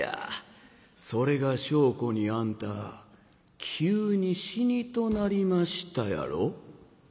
それが証拠にあんた急に死にとなりましたやろ」。